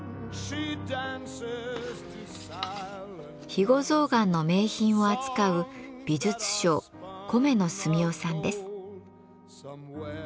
肥後象がんの名品を扱う美術商米野純夫さんです。